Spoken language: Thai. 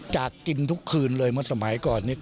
จากกินทุกคืนเลยหมดสมัยก่อน